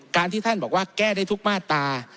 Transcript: การที่ท่านบอกว่าแก้ได้ทุกมาตรา